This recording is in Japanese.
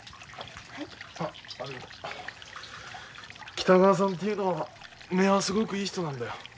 北川さんというのは根はすごくいい人なんだよ。